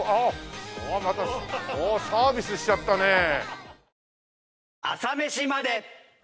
ああまたサービスしちゃったねえ。